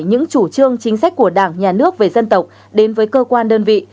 những chủ trương chính sách của đảng nhà nước về dân tộc đến với cơ quan đơn vị